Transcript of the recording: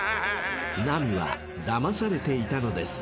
［ナミはだまされていたのです］